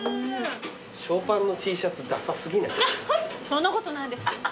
そんなことないですよ。